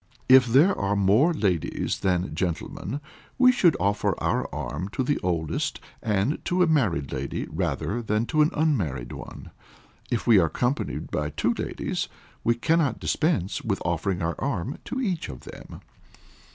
If there are more ladies than gentlemen, we should offer our arm to the oldest, and to a married lady rather than to an unmarried one. If we are accompanied by two ladies, we cannot dispense with offering our arm to each of them.